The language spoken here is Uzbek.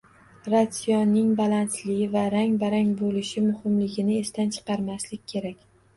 Ratsionning balansli va rang-barang bo‘lishi muhimligini esdan chiqarmaslik kerak